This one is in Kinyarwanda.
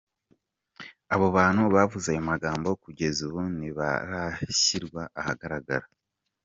Abo bantu bavuze ayo magambo kugeza ubu ntibarashyirwa ahagaragara.